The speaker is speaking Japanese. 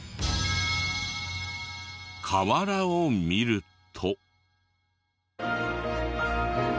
河原を見ると。